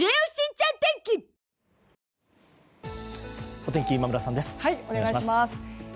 お天気、今村さんです。